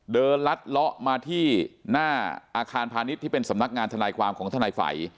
ลัดเลาะมาที่หน้าอาคารพาณิชย์ที่เป็นสำนักงานทนายความของทนายฝัย